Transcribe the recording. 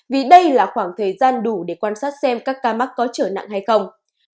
vì đây là khoảng thời gian đủ để quan sát xem các ca mắc có trở nặng hay không